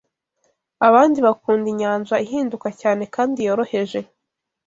Abandi bakunda inyanja ihinduka cyane kandi yoroheje